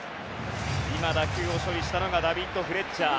今、打球を処理したのがダビッド・フレッチャー。